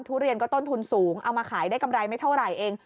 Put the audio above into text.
ทุเรียนก็ต้นทุนสูงเอามาขายได้กำไรไม่เท่าไหร่เอง